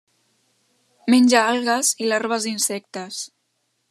Menja algues i larves d'insectes.